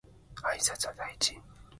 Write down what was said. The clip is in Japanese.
挨拶は大事